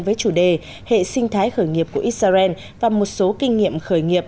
với chủ đề hệ sinh thái khởi nghiệp của israel và một số kinh nghiệm khởi nghiệp